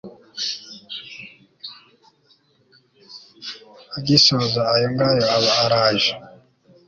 agisoza ayo ngayo aba araje